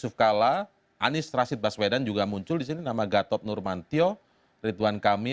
pertanyaan mana tadi